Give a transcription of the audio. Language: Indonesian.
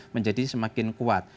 menjadi semakin kuat